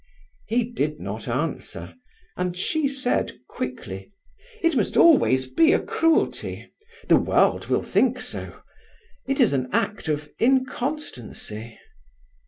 He did not answer, and she said, quickly: "It must always be a cruelty. The world will think so. It is an act of inconstancy."